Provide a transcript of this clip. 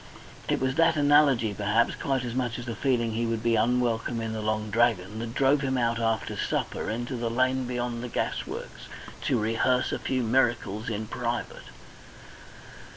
It was that analogy, perhaps, quite as much as the feeling that he would be unwelcome in the Long Dragon, that drove him out after supper into the lane beyond the gasworks, to rehearse a few miracles in private.